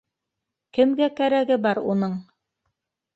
Кемгә кәрәге бар уның?